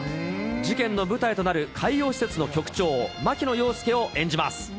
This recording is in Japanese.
事件の舞台となる海洋施設の局長、牧野洋輔を演じます。